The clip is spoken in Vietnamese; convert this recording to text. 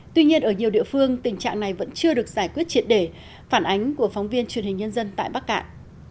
tuy nhiên ở nhiều địa phương tình trạng này vẫn chưa được giải quyết triệt để phản ánh của phóng viên truyền hình nhân dân tại bắc cạn